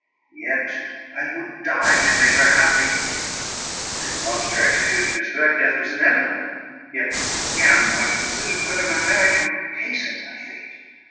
Yet I would die to make her happy. If the monster executed his threat, death was inevitable; yet, again, I considered whether my marriage would hasten my fate.